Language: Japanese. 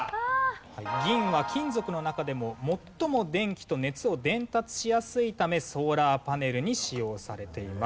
銀は金属の中でも最も電気と熱を伝達しやすいためソーラーパネルに使用されています。